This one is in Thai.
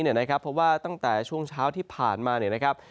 เพราะว่าตั้งแต่ช่วงเช้าที่ผ่านมา